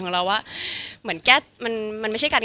น่ากตกใจ